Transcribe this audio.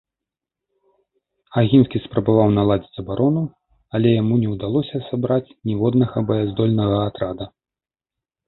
Агінскі спрабаваў наладзіць абарону, але яму не ўдалося сабраць ніводнага баяздольнага атрада.